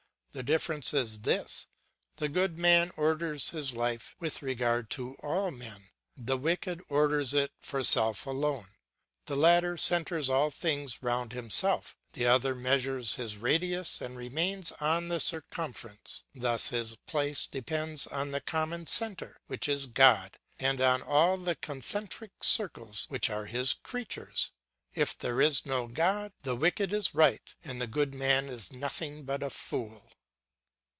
The difference is this: the good man orders his life with regard to all men; the wicked orders it for self alone. The latter centres all things round himself; the other measures his radius and remains on the circumference. Thus his place depends on the common centre, which is God, and on all the concentric circles which are His creatures. If there is no God, the wicked is right and the good man is nothing but a fool.